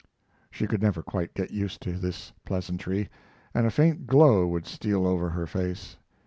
She could never quite get used to this pleasantry, and a faint glow would steal over her face.